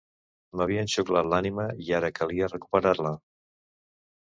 M'havien xuclat l'ànima i ara calia recuperar-la.